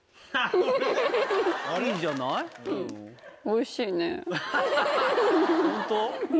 おいしい。